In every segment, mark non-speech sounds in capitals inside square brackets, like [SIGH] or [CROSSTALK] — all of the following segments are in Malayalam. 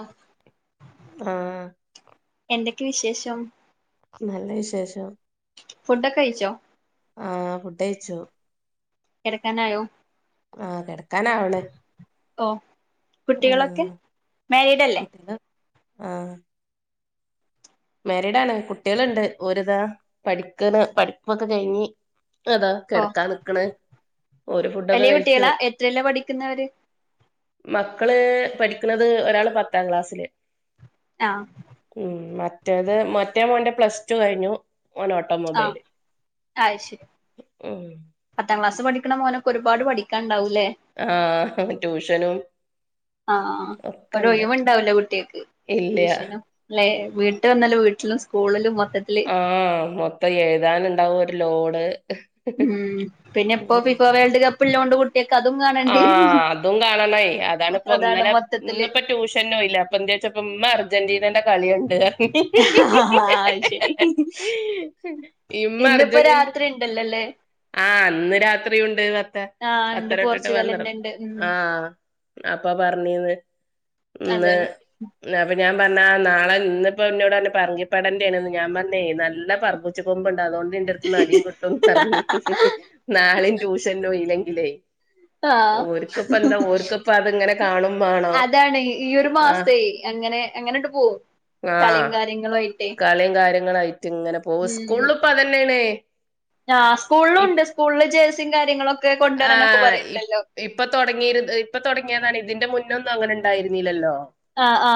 ആം ആഹ് എന്തൊ ന്തു വിശേഷം നല്ല വിശേഷം [INAUDIBLE] ഫുഡൊക്കെ കഴിച്ചോ [INAUDIBLE] ആഫുടഴിച്ചു കിടക്കാനായോ [INAUDIBLE] ആകിടക്കനാവണ് ഓ കുട്ടികളൊക്കെ മാരീഡ്ല്ലേ ആ [INAUDIBLE] മാരീഡണെ കുട്ടികളുണ്ട് ഒരിതാ പഠിക്കന്ന് പഠിപ്പൊക്കെ കഴിഞ് അതാ ഓ കിടക്കാ നിക്കണ് ഓര് ഫുഡൊക്കെ വലിയ കഴിച്ചു കുട്ടികളാ എത്രയിലാ പഠിക്കുന്നവര് മക്കള് പഠിക്കുന്നത് ഒരാള് പത്താം ക്ലാസ്സില് ആഹ് ഉം അ മറ്റേത് മറ്റേ മോന്റെ പ്ലസ് ടു കഴിഞ്ഞു ഓൻ ആഹ് ഓട്ടോമൊബൈല് അത് ശരി ആ പത്താം ക്ലാസ് പഠിക്കണ മോനൊരുപാട് പഠിക്കാണ്ടാവും ലേ ആഹ് ട്യൂഷനും ആ ഒക്കെണ്ട് ഒരൊയിവും ഉണ്ടാവില്ല കുട്ട്യോൾക്ക് ഇല്ല ടൂഷനും ല്ലെ വീട്ട് വന്നല്ല വീട്ടിലും സ്കൂളിലുംമോ ആ മൊത്തം എഴുതാനുണ്ടാവും ഒരു ലോഡ് ഉം പിന്നെ ഇപ്പോ ഫിഫവേൾഡ് കപ്പള്ളൊണ്ട് ആഅതും കാണണയ് അതാണ്പ്പ അതാണ് ഇന്നലെ മൊത്തത്തില് ഇന്ന്പ്പോ ട്യൂഷനും ഇല്ല അപ്പൊ എന്തച്ചപ്പ ഇമ്മ അർജന്റീനന്റെകാളീണ്ട് ആ അത് ശരി ക ഇമ്മ ഇന്നിപ്പോ അർജന്റി രാത്രി ഉണ്ടല്ലോല്ലേ ആന്ന് രാത്രി ഉണ്ട് പത്ത ആഹ് ഇണ്ട് പത്തരൊട്ട പോർച്ചുഗലിന്റെ വന്നരം ഇണ്ട് ഉം ആ അപ്പൊ പറഞ്ഞീന്ന് ന്ന് അതാണ് [UNINTELLIGIBLE] ഞാൻ പറഞ്ഞ ആ നാളെന്നിപ്പോ എന്നന്നോട്ന്നെ പറഞ്ഞിപ്പടേണ്ടെന്ന് ഞാൻ പറഞ്ഞേ നല്ല പറിച്ചു കൊമ്പ്ണ്ട് അതുകൊണ്ട്ന്റെറടുത്ത്ന്ന് നടിയും കി ട്ടുംന്ന് പറഞ്നാളെമ് ട്യൂഷനോ ഇല്ലെങ്ക ല്ലെ അതിങ്ങനെ കാണും വേണോ ആഅതാണ് ഈ ഒരു ആഹ് മാസേ അങ്ങനെ അങ്ങനെട്ട് പോകും കളിയും ആഹ് കാര്യങ്ങളുംആയി കളിയും കാര്യങ്ങളായിട്ട്ങ്ങനെ പോവാ സ്കൂളിപ്പതന്നെയണേ ആ സ്കൂളിലുണ്ട് സ്കൂളിൽ ജേഴ്സിയും കാര്യങ്ങളൊക്കെ ആ കൊണ്ടുവരാനൊക്കെ ഇ പറയണ്ടല്ലോ ഇപ്പൊ തുടങ്ങിയിര ഇപ്പൊ തുടങ്ങിയതാണ് ഇതിന്റെ- മുന്നൊന്നും അങ്ങനെ ഉണ്ടായിരുന്നില്ലല്ലോ ആ ആ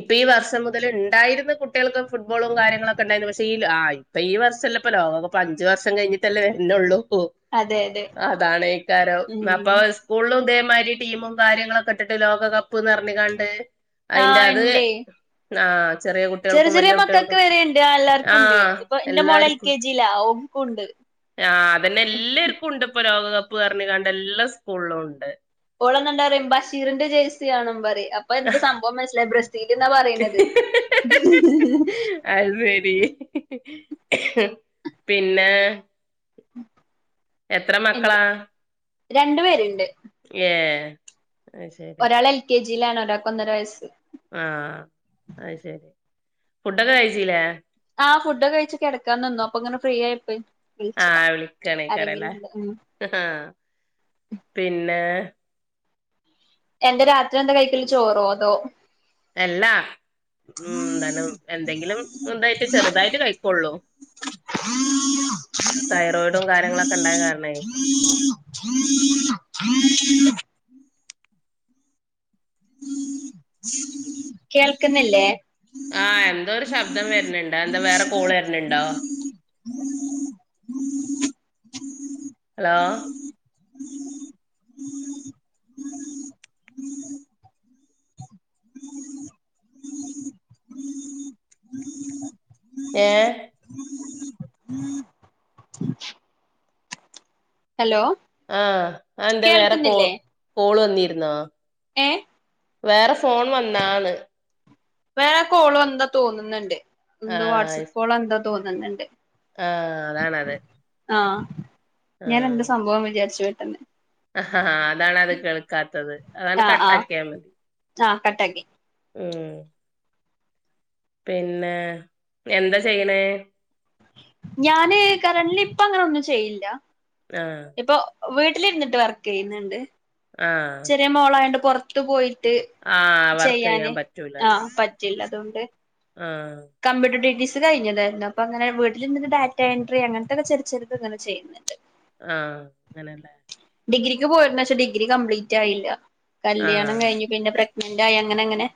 ഇപ്പൊ ഈ വർഷം മുതല് ണ്ടായിര്ന്ന കുട്ട്യ ൾക്ക് ഫുട്ബോളും കാര്യങ്ങളൊക്കെ ണ്ടായിന്നു പക്ഷെ ഈ ഇപ്പൊ ഈ വർഷല്ലപ്പൊ ലോകപ്പ് അഞ്ചു വർഷം കഴിഞ്ഞിട്ടല്ലേ വര് നൊള്ളൂ അതെ അതെ അതാണേക്കാരം ഉം ന്നപ്പം സ്കൂളിലു തേ മാരി ടീമും കാര്യങ്ങളൊക്കെ ഇട്ടിട്ട് ലോകകപ്പ് ന്ന് പർഞ്ഞിങ്ങാണ്ട് ആ ഇണ്ട് ആ ചെറിയ ചെറിയ മക്കക്ക് വരെണ്ട് ആ എല്ലാര്ക്കുണ്ട് ആഹ് ഇത്‌പ്പൊ ഇൻൻ്റെ മോളെൽ എല്ലാർക്കും കെ ജി ലാ ഓക്കുണ്ട് എല്ലാര്ക്ക്ണ്ട് പ്പ ലോകകപ്പ് പർഞ്ഞിങ്ങാണ്ട് എല്ലാ സ്കൂളിലുണ്ട് ഓളെന്നാണ്ടറിം ബഷീറിന്റെ ജേഴ് സി യാണം പറിം അപ്പൊ എന്ത് സംഭവം മൻസ്സിലായി ബ്ര സില്ന്നാ പറി ണത് അത് ശരി പിന്നെ എത്ര മക്കളാ രണ്ട് പേര്ണ്ട് ഏ ഒരാള് എൽ കെ ജി ജിയിലാണ് ഒരാൾക്ക് ഒന്നര വയസ് ആ അഅ് ശെരി ഫുഡൊക്കെ കഴിച്ചില്ലേ ആ ഫുഡൊക്കെ കഴിച്ച് കെടക്കാ നിന്നു അപ്പൊങ്ങനെ ഫ്രീ ആയപ്പേ ആ വിളിക്കണേക്കരല്ലേ ഉം പിന്നെ എന്താ രാത്രി എന്താ കൈക്കല് ചോറോ അതോ അല്ലാ ഉം എന്താണ് എന്തെങ്കിലും എന്താച്ച ചെറ്തായിട്ട് കഴിക്കൊള്ളൂ തൈറോയിഡും കാര്യങ്ങളൊക്കെ ണ്ടായ കാരണേ കേൾക്കുന്നില്ലേ ആ എന്തോ ഒരു ശബ്ദം വര്ണ് ണ്ട് എന്താ വേറെ കോൾ വര്ന്ന്ണ്ടോ ഹലോ ഏ ഹലോ ആ അഅ് ന്തേ വേറെ കോ കേൾക്കുന്നില്ലേ കോള് വന്നി ര്ന്നോ ഏ വേറെ ഫോൺ വന്നാ ന്ന് വേറെ കോള് എന്താ തോന്നുന്നുണ്ട് ന്തൊ ആഹ് അത് വാട്സആപ്പ് ശരി. കോള ന്തോ തോന്ന് വന്ന്ണ്ട് ആഹ് അതാണത് ആഹ ഞാൻ എന്റെ സംഭവം വിചാരിച്ചു [UNINTELLIGIBLE] ഹ ഹ അതാണത് കേൾക്കാത്തത് അഹ് ആണ്ട് ആഹ് ആഹ് കട്ടാക്കിയാൽ മതി ആഹ് കട്ടാക്കി ഉം പിന്നെ എന്താ ചെയ്യ്ണേ ഞാന് കറണ്ടില് ഇപ്പ അങ്ങനെ ഒന്നും ചെയ്യില്ല ആഹ ഇപ്പൊ വീട്ടിലിരുന്നിട്ട് വർക്ക് ചെയ്യുന്നുണ്ട് ആഹ് ചെറിയ മോളായൊണ്ട് പുറത്തു പോയി് ട്ട് ആഹ് വർക്ക് ചെയ്യാൻ ചെയ്യാന് പറ്റൂലല്ലോ ആഹ് പറ്റില്ല അതുകൊണ്ട് ആഹ് കമ്പ്യൂട്ടർ ടി ടി സി ത് കഴിഞ്ഞതായിരുന്നു അപ്പൊ അങ്ങനെ വീട്ടിൽിന്റെ ഡാറ്റ എൻട്രി അങ്ങനത്തെൊക്കെറ ചെറത്ങ്ങെ ചെയ്യുന്നുണ്ട് ആഹ് അങ്ങനെല്ലേ ഡിഗ്രിക്ക് പോയിരുന്നു പക്ഷെ ഡിഗ്രി കപ്ലീറ്റ് ആയില്ല കല്യാണം കഴിഞ് പിന്നെ പ്രഗ്നന്റ് ആയെ ങ്ങനെ ങ്ങനെ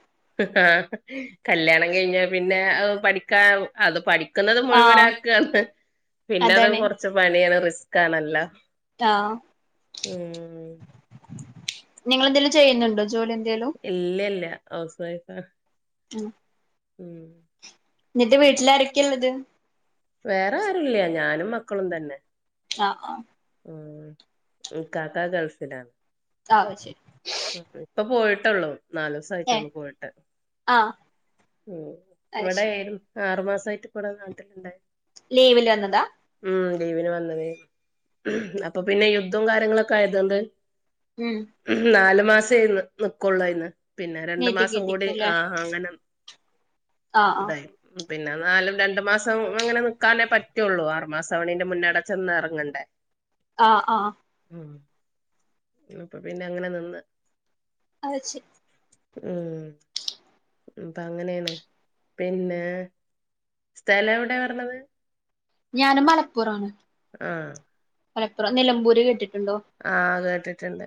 ആ കല്യാണം കഴിഞ്ഞ പിന്നെ പഠിക്കാ അത് പഠി ക്കുന്നത് മുഴുവന ആഹ് ആക്കാണ് പിന്നെ അത് അതാണ് കുറച്ച് പണിയാണ് റിസ് കാണല്ല റ്റാഹ് നിങ്ങളെന്തെങ്കിലും ചെയ്യുന്നുണ്ടോ ജോലി എ ഇല്ല ല്ല ഹൗസ് വൈഫ ഉം ഉം ന്നിട്ട് വീട്ടില് ആരൊക്കെ ള്ളത് വേറെ ആരുല്ല ഞാനും മക്കളും തന്നെ ആ ആ ഇകാക്ക ഗൾഫിലാണ് ആവ ശരി ട്ടൊള്ളൂ നാലു ഏഹ് സായിട്ടൊള്ളൂ പോയിട്ട് ആഹ് ഉം അത് ഇവിടെ ശരി ലും ആറു മാസായിട്ട് ഇപ്പടെ നാട്ടില് ണ്ട് ലീവിൽ വന്നതാ ഉം ലീവിന് വന്നെതെര്ന്നു അപ്പൊ പിന്നെ യുദ്തും കാര്യങ്ങളൊക്കെ ആയതോണ്ട് ഉം മ് ന്നാലും മാസേന്ന് നിക്കൊള്ളയിന് പിന്നെ രണ്ടു നീട്ടി മാസം കൂടി കിട്ടിക്കൂല്ലേ ആ അങ്ങന ആഹ് ആഹ് ഇതായി പിന്നെ എന്നാലും രണ്ടു മാസം അങ്ങനെ നിക്കാനേ പറ്റുള്ളൂ ആറുമാസം ആവ്ണീന്റെ മുന്നടച്ചെ ന്ന് എറങ്ങണ്ടേ പി ആ ആ ഉം [UNINTELLIGIBLE] പിന്നെ അങ്ങനെ നിന്ന് അഹ് ശ് ഉം മ് പ്പ അങ്ങനെയാണ് പിന്നെ സ്ഥലം എവിടെയാറഞ്ഞത് ഞാന് മലപ്പുറം ആണ് ആ മലപ്പുറം നിലമ്പൂര് കേട്ട് ആ അതെ ട്ടിണ്ട്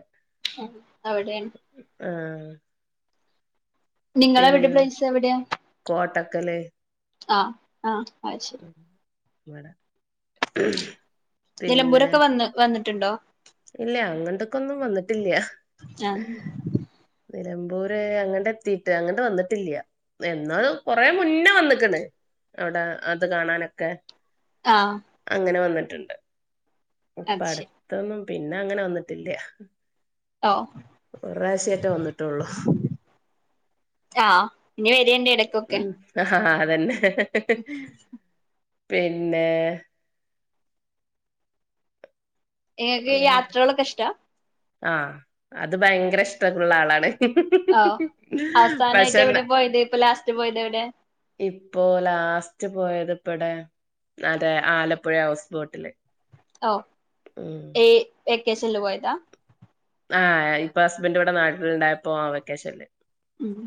ഹെൻ അവിടെണ് ആ നിങ്ങളെവിടെ പ്ലൈസ് എവിടെയാ ക്കലേ അ ആ അഹ് ശരി ഇവട നിലമ്പൂരൊക്കെ വന്ന് വന്ന് ട്ട്ണ്ടോ ഇല്ല അങ്ങൻ ത്ത്ക ഒന്നും വന്നി ഇല്ല ആഹ് നിലമ്പൂര് അങ്ങട്ട് എത്തീട്ട് അങ്ങട്ട് വന്നിട്ടില്ല എന്നാ കൊറെ മുന്നേ വന്ന്ക്ക്ണ് അവിടെ ആ ഇത് കാണാനൊക്കെ ആഹ് അങ്ങനെ വന്നി ഇണ്ട് അത് ഇപ്പട് ശരി തൊന്നും പിന്നെ അങ്ങനെ വന്നിട്ടില്ല ഓഹ് ഒറപ്രാവശ്യേറ്റ വന്നുട്ടൊള്ളു ആഹ്യ് ഇനി വരയിണ്ടി ഇടക്കൊക്കെ തന്നെ ഹ് ഹ് ഹ് ഹ് ഹേ പിന്നേ എങ്ങക്ക് വേറെ യാത്രകളൊക്കെ ഇഷ്ട ആഹ് അത് ഭയങ്കര ഇഷ്ടക്കുള്ള ആളാണ് ഓ പക്ഷെ ന അവസാനായിട്ടെവിടെ പോയത് ഇപ്പൊ ലാസ്റ്റ് പോയത് എവിടെ ഇപ്പോൊ ലാസ്റ്റ് പോയത് ഇപ്പടെ അതേ ആലപ്പുഴ ഹൗസ് ബോട്ടില് ഓ ഉം ഏ വെക്കേഷനിൽ പോയതാ ആഹ് ഇപ്പൊ ഹസ്ബെന്റിവിടെ നാട്ടിലിണ്ടായപ്പോ ആ വെക്കേഷനിൽ ഉം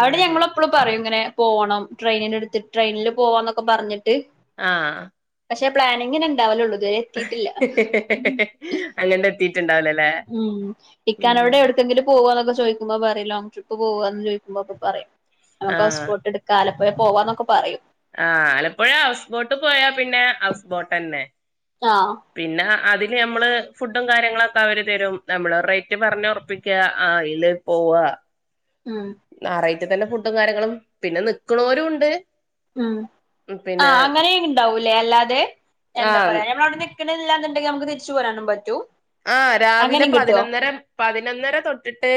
അവിടെ ഞങ്ങളെപ്പളും പറയും ഇങ്ങനെ പോണം ട്രെയിൻന്റെടത് ട്രെയിനില് പോവ്വാന്നൊക്കെ പറഞ്ഞിട്ട് പക്ഷെ പ്ലാനിങ്ങിങ്ങനേണ്ടവലൊള്ളൂ ഹ് ഹ് ഹ് ഹേ അങ്ങണ്ടേതീട്ടില്ല ഉം ഇക്കാനോട് എവടക്കെങ്കിലും പോവ്വാണൊക്കെ ചോദി ചോയ്ക്കുമ്പോ പറയും ലോങ്ങ്ട്രിപ്പ് പോവാന്ന് ചോയ്ക്കുമ്പോഅപ്പൊ പറയും നമുക്ക് ഹോട്ട്സ്പോട്ട്എടുക്കലോ വേം പോവാന്നൊക്കെപ്പറയും ആ ആലപ്പുഴ ഹൗസ്ബോട്ട് പോയപ്പിന്നെ ഹൗസ്ബോട്ടന്നെ. ആഹ് പിന്നെ അതിൻ പിന്നെ നമ്മള് ഫുഡും കാര്യങ്ങളൊക്കെ അവര് തരും നമ്മള് റേറ്റ് പറഞ്ഞുറപ്പിക്ക ആ അയില് പോവ. ഉം ഇതുതന്നെ ഫുഡും കാര്യങ്ങളും പിന്നെ നിക്കണോരുണ്ട് ഉം ആ് അങ്ങനെയിണ്ടാവൂലെ അല്ലാതെ ആഹ് എന്താപറയാ ഞമ്മളവിടുന്ന് നിക്കന്ല്ലാന്നിണ്ടെങ്കിൽ നമുക്ക് തിരിച്ചു പോരാനും പറ്റും ആഹ് രാവിലെ അങ്ങനെയും കിട്ടുവോ പതിനൊന്നര പതിനൊന്നര തൊട്ടിട്ട്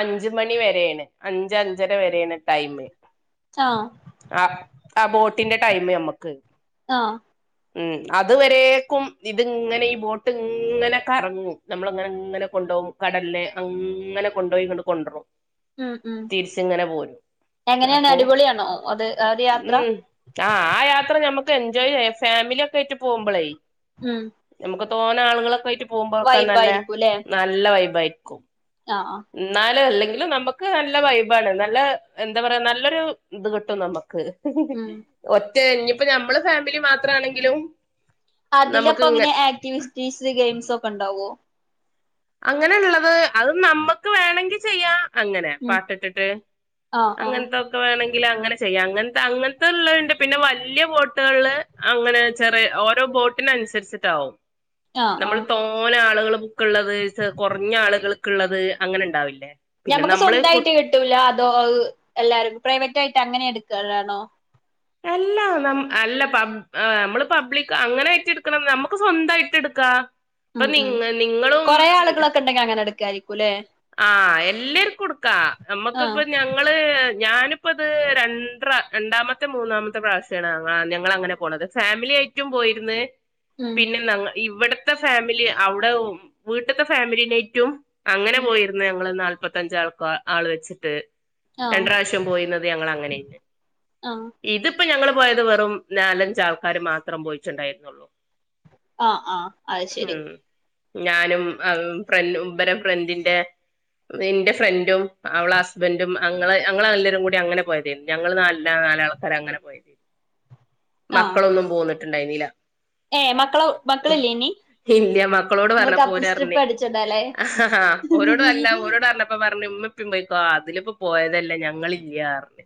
അഞ്ചു മണി വരെയാണ് അഞ്ച അഞ്ചര വരെയാണ് ടൈം ആഹ് ആ ആ ബോട്ട ത്തിന്റെ ടൈം ഞമ്മക്ക് ആഹ് ഉം അതുവരേക്കും ഇത്ങ്ങനെ ഈ ബോട്ട്ങ്ങനെ. കറങ്ങും നമ്മളങ്നെങ്ങനെ കൊണ്ടോവും കടലിൽ അങ്ങനെകൊണ്ടോയിങ്ങട് കൊണ്ടറും. ഉം ഉം തിരിച്ങ്ങനെ പോരും എങ്ങനെയാണ് അപ്പോ അടിപൊളിയാണോ അത് ആ ഒരു യാത്ര ഉം ആ ആ യാത്ര ഞമ്മക്ക് എൻജോയ് ചെയ്യ ഫാമിലി ഒക്കെ ആയിട്ട് പോകുമ്പോളേ ഉം തോന്ന ആളുകളൊക്കെ ആയിട്ട് [UNINTELLIGIBLE] നല്ല വൈബായിരിക്കുംല്ലേ നല്ല വൈബായിര് ക്കും ആഹ് ആഹ് എന്നാലും ല്ലേ ല്ല നമക്ക് നല്ല വൈബാണ് നല്ല എന്താ പറയാ നല്ലൊരു ഇത് കിട്ടും നമക്ക് ഹ ഹ ഒ... ഇഞ് ഇപ്പ നമ്മള് ഫാമി നമുക്ക് അതിലപ്പൊ ഇങ്ങ അങ്ങനെ ആക്ടിവിറ്റീസ് ഗെയിംസ് ഒക്കെ ഉണ്ടാവോ അങ്ങനെള്ളത് അത് നമ്മക്ക് വേണെങ്കി ചെയ്യാ അങ്ങനെ ഉം പാട്ട് ട്ട്ട്ട് ആഹ് ആഹ് അങ്ങനത്തൊക്കെ വേണേ അങ്ങനെ ചെയ്യാം അങ്ങൻത്തെ അങ്ങൻത്തെള്ളണ്ട് പിന്നെ വല്യ ബോട്ടുകള് അങ്ങനെ ചെറിയ ഓരോ ബോട്ടിനനുസരിച്ചിട്ടാവും ആഹ് നമ്മള് ആഹ് തോനെ ആള്കള് ബുക്ള്ളത് കുറഞ്ഞ ആളുകൾക്ള്ളത് അങ്ങനെ ണ്ടാവില്ലേ ഞമ്മക്ക് സ്വന്തയിട്ട് കിട്ടൂല അതോ അഹ് എല്ലാർക്ക [UNINTELLIGIBLE] അങ്ങനെ എടുക്കുലാണോ അല്ല അല്ലബ നമ്മള് പബ്ലിക് അങ്ങനെയിട്ട് എടുക്കണം നമക്ക് സ്വന്തയിട്ട് എടുക്കാ ഇപ്പ ഉം ഉം നിങ്ങ നിങ്ങളും കൊറേ ആളുകളൊക്കെ ഉണ്ടെങ്കിൽ അങ്ങനെ എടുക്കായിരിക്കുംല്ലേ ആ എല്ലർക്കും ഇട്ക്കാ നമ്മക്ക് ആഹ് ഇപ്പം ഞങ്ങള് ഞാനിപ്പ ഇത് രണ്ട്‌റാ രണ്ടാമ ത്തെ മൂന്നാമത്തെ പ്രാവശ്യാണ് ഞങ്ങള് അങ്ങനെ പോണത് ഫാമിലി ആയിട്ടും പോയിര്ന്ന് ഉം പിന്നെ [UNINTELLIGIBLE] ഇവിടത്തെ ഫാമിലി അവിടെ വീട്ട്ത്തെ ഫാമിലിനെറ്റും അങ്ങനെ ഉം പോയിര്ന്നു ഞങ്ങള് ഇന്നാള് മുപ്പത്തഞ്ചാൾക്ക ആള് വെച്ചിട്ട് ആഹ് രണ്ട്‌ റാവശ്യം പോയിര്ന്നത് ഞങ്ങള് അങ്ങനെയ്ന്ന് ആഹ് ഇതിപ്പോ ഞങ്ങള് പോയത് വെറും നാലഞ്ചു ആൾക്കാര് മാത്രം പോയിട്ട്ണ്ടായിര്ന്നുള്ളൂ ആ ആ അയ് ശരി ഉം ഞാനും ഫ്രന്റും ഫ്രണ്ടിന്റെ ഇന്റെ ഫ്രണ്ടും അവളെ ഹസ്ബന്റും അങ്ങള് അങ്ങള് എല്ലാരും കൂടി അങ്ങനെ പോയതയ്നു ഞങ്ങള് നാല നാലാളും ര അങ്ങനെ പോഴി ആഹ് മക്കളൊന്നും പോന്ന ണ്ടായിന്നില്ല ഏഹ് മക്കളെ മക്കളില്ലേ ഇനി ഇല്ല മക്കളോട് നിങ്ങള് പറഞ്ഞപ്പോ ഓര് കപ്പിൾസ് ട്രിപ്പ് ർഞ്ഞേ അടിച്ചിണ്ടാല്ലേ ആ ആ ഓരോടും അല്ല ഓരോടും അറിഞ്ഞപ്പോ പറ മ്മീം ഇപ്പിം പോയിക്കോ അതിലിപ്പോ പോയതല്ലേ ഞങ്ങള് ഇല്ല അർഞ്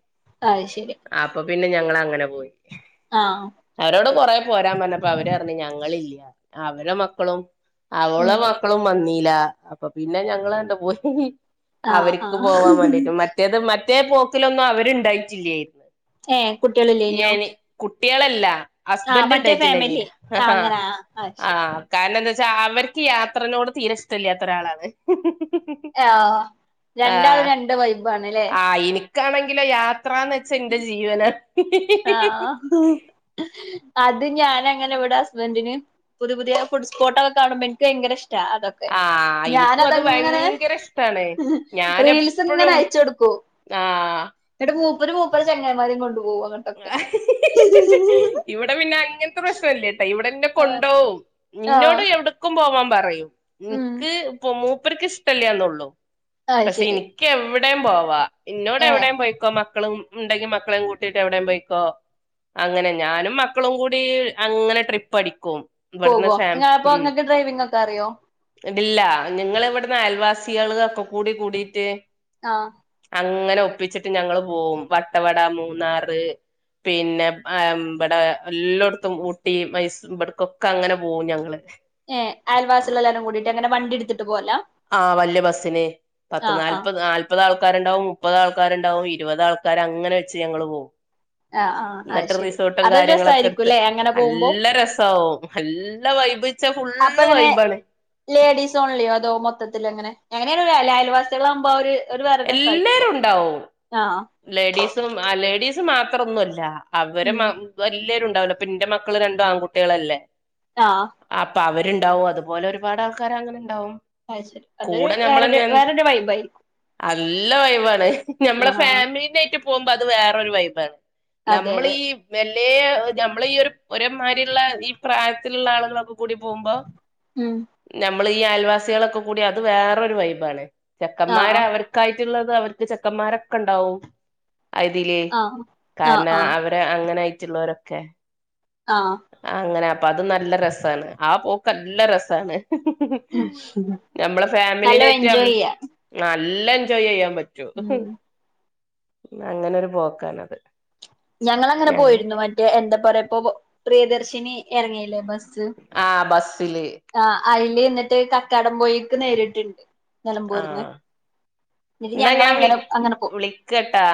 അയ് ശരി അപ്പൊ പിന്നെ ഞങ്ങള്ങ്ങനെ പോയി ആഹ് അവരോട് കൊറെ പോരാൻ പറഞ്ഞപ്പോ അവര് പറഞ് ഞങ്ങളില്ല അവരെ മക്കളും ഉം അവളും മക്കളും വന്നി- ല്ല അപ്പൊ പിന്നെ ഞങ്ങളങ്ങട് പോയി ആഹ് അവർക്ക് ആഹ് പോവാൻ വേണ്ടിട്ട് മറ്റേത് മ മറ്റേ പോക്കിലൊന്നും അവരുണ്ടായിട്ടില്ലായിരുന്നു ഏ കുട്ടികളില്ലേനോ കുട്യ ളല്ല ഹസ്ബന്റ് ഉണ്ടായിട്ടുണ്ടായില്ല ആ ആഹ് ഹ് അങ്ങനെ ആഹ് അത് അ ശരി കാരണം എന്താ- അവർക്ക് യാത്രനോട് തീരെ ഇഷ്ടല്ലാത്ത ഒരാളാണ് ആ രണ്ടാളും രണ്ട് വൈ ബാണ്ല്ലേ ക്കാണെങ്കിലോ യാ ത്രാന്ന് വെച്ചാ ഐന്റെ ജീവനാ ആ അത് ഞാനങ്ങനെ ഇവിടെ ഹസ്ബൻ്റിന് പുതിയ പുതിയ ഫുഡ് സ്പോട്ടൊക്കെ കാണുമ്പോൾ എനിക്ക് ഭയങ്കര ഇഷ് ടാ അതൊക്കെ ആഹ് എനിക്കും അത് ഞാനതെങ്ങനെ ഭയങ്കര ഇഷ്ടാണ് റീൽസ് ഇങ്ങനെ ഞാനെപ്പഴും അയച്ചു കൊടുക്കും ആഹ് എന്നിട്ട് മൂ മൂപ്പര് മൂപ്പരുടെ ചങ്ങായിമാരേം കൊണ്ടു പോകും അങ്ങട്ടൊക്കെ ആ ഇവിടെ പിന്നെ അങ്ങനത്തെ പ്രശ്നല്ലട്ടാ ഇവിടെന്നെ ആഹ് കൊണ്ടോവും ആഹ് നിന്നോട് എവിട്ക്കും പോവാൻ പറയും ഉം നിക്ക് ഇപ്പൊ മൂ മൂപ്പർക്ക് ഇഷ്ടല്യാനേ ഉള്ളൂ അത് പക്ഷെ ശരി എനിക്ക് എവ എവിടെയും പോവാ ഇന്നോട് ഏഹ് എവിടെയും പോയിക്കോ മക്കളും ഉണ്ടെങ്കി മക്കളേ കൂ ട്ടീട്ട് എവിടേം പോയിക്കോ അങ്ങനെ ഞാനും മക്കളും കൂടി അങ്ങനെ ട്രിപ്പ് അടിക്കും ഇവിടുന്ന് പോകോ ഫാം നിങ്ങള് അപ്പൊ ഉം ഇങ്ങക്ക് ഡ്രൈവിംഗ് ഒക്കെ അറിയോ വിടില്ല നിങ്ങ ഇവിടുന്ന് അയൽവാസി കുട്ടികള് ഒക്കെ കൂടി കൂടിട്ട് ആ അങ്ങനെ ഒപ്പിച്ചിട്ട് ഞങ്ങൾ പോകും വട്ടവട മൂ മൂന്നാറ്, പിന്നെ ഇവടെ എല്ലോട്ത്തും ഊട്ടി, മൈസു ഇവട്ക്കൊക്കെ അങ്ങനെ പോവും ഞങ്ങള്. ഏ ആൽവാസിയേളല്ലാരും കൂടിയിട്ട് എങ്ങനെ വണ്ടി ഇട്ത്ത് ആ വല്യ ബസിന്, പത്ത് ആഹ് ആഹ് നാല്പത് നാല്പത് ആൾ ആൾക്കാരുണ്ടാവും മുപ്പത് ആൾകാരുണ്ടാവും ഇരുപത് ആൾക്കാർ അങ്ങനെ വെച്ച് ഞങ്ങൾ പോകും ആഹ് ആഹ് അത് ഇന്നട്ട് ശരി റിസോർട്ടും അതൊരു കാര്യങ്ങളൊക്കെ ഇട്ത്ത് രസായിരിക്കുംല്ലേ അങ്ങനെ പോകുമ്പോ നല്ല രസാവും നല്ല വൈബ്ച്ച അപ്പൊ ഫുള്ള് എങ്ങനെ വൈബാണ്. മൊത്തത്തിൽ അങ്ങനെ [UNINTELLIGIBLE] അയൽവാസിയോളാവുമ്പോ അവര് എല്ലാരും ഇണ്ടാവും ആഹ് ലേഡീസും ആ ലേഡീസ് മാ അത്രൊന്നുല്ലാ. അവരെ ഉം മ വല്ല്യയരു ഉണ്ടാവല് പ്പം ഇന്റെ മക്കൾ രണ്ടും ആൺകുട്ടിയേളല്ലേ ആഹ് അപ്പ അവ രുണ്ടാവും അതുപോലെ ഒരുപാട് ആൾക്കാര് അങ്ങനെ ഉണ്ടാവും. അത് ശരി. അത് കൂടെ ഞമ്മളെ വേറൊര് വേറൊര് വൈബായിരിക്കും. നല്ല വൈവാണ് ഞമ്മള ആ ഫാമിലിനെറ്റ് പോകുമ്പ അത് വേറൊരു വൈബാണ് അതെ അതെ നമ്മളീ വെ [UNINTELLIGIBLE] നമ്മളി ഒരു ഒരെമാരിള്ള ഈ പ്രായത്തില്ള്ള ആളുകളൊക്കെ കൂടി പോകുമ്പോ ഉം ന മ്മളി അയൽവാസികളൊക്കെ കൂടി അത് വേറൊരു വൈബാണ് ആ ചെക്കന്മാര് അവർക്കായി ട്ട് ള്ളത് അവര്ക്ക് ചെക്കന്മാരെ ക്കെണ്ടാവും അതില് ആ ആ കാരണം ആ അവര് അങ്ങനെ [UNINTELLIGIBLE] ആ അങ്ങനെ അപ്പ അത് നല്ല രസണ് ആപോക്ക് നല്ല രസാണ് ഉം. നമ്മളെ നല്ല ഫാമിലീനെറ്റ് എൻജോയ് ചെയ്യാ നല്ല എൻജോയ് ചെയ്യൻ പറ്റും ഉം റ്റു അങ്ങനൊരു പോക്കാണത് ഞങ്ങള് അങ്ങനെ ഞങ്ങ പോയിരുന്നു മറ്റേ എന്താ പറയപ്പോ പ്രിയദർശിനി ഇറങ്ങയില്ലേ ബസ് ആഹ് ബസ്സില് ഇനി എന്നിട്ട് കക്കാടം പോയിക്ക് നേരിട്ട്ണ്ട് ആഹ് എന്നാ ഞാൻ ഞങ്ങളങ്ങനെ വിളി അങ്ങനെ അങ്ങനെ പോ വിളിക്കട്ടാ